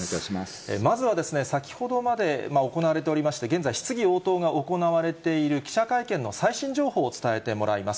まずはですね、先ほどまで行われておりまして、現在、質疑応答が行われている記者会見の最新情報を伝えてもらいます。